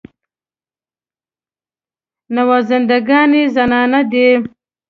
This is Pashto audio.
نوازنده ګان یې زنانه دي.